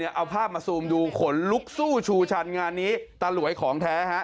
เอาภาพมาซูมดูขนลุกสู้ชูชันงานนี้ตาหลวยของแท้